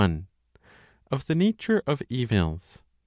Of the Nature of Evils.